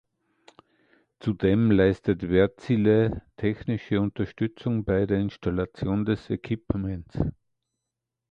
Zudem leistet Wärtsilä technische Unterstützung bei der Installation des Equipments.